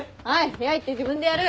部屋行って自分でやる！